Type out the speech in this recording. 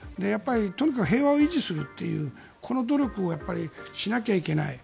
とにかく平和を維持するというこの努力をしなきゃいけない。